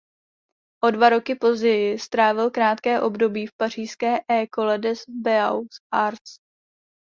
O dva roky později strávil krátké období v pařížské École des Beaux Arts.